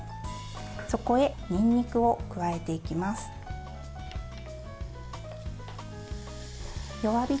そこへにんにくを加えていきます。